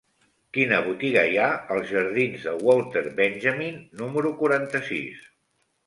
Quina botiga hi ha als jardins de Walter Benjamin número quaranta-sis?